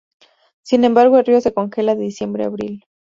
Sin embargo, el río se congela de diciembre a abril.